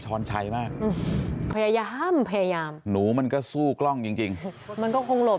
ช้อนชัยมากพยายามพยายามหนูมันก็สู้กล้องจริงมันก็คงหลบ